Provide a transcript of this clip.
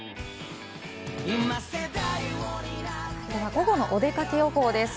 午後のお出かけ予報です。